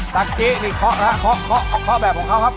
ตั๊กจี้นี่ข้อครับข้อแบบของเขาครับข้อ